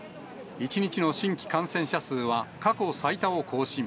１日の新規感染者数は過去最多を更新。